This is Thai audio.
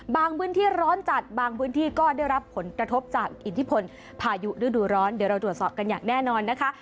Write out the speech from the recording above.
พื้นที่ร้อนจัดบางพื้นที่ก็ได้รับผลกระทบจากอิทธิพลพายุฤดูร้อนเดี๋ยวเราตรวจสอบกันอย่างแน่นอนนะคะ